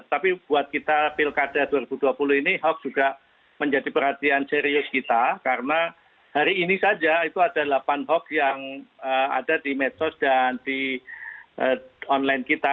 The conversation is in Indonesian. tapi buat kita pilkada dua ribu dua puluh ini hoax juga menjadi perhatian serius kita karena hari ini saja itu ada delapan hoax yang ada di medsos dan di online kita